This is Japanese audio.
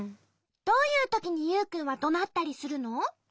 どういうときにユウくんはどなったりするの？